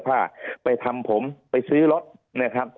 ภารกิจสรรค์ภารกิจสรรค์